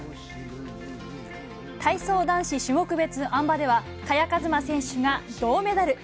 体操男子種目別あん馬では萱和磨選手が銅メダル。